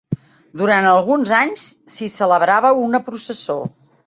Durant alguns anys s'hi celebrava una processó.